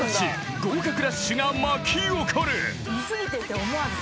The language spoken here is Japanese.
合格ラッシュが巻き起こる］